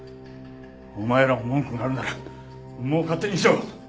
お前らも文句があるならもう勝手にしろ！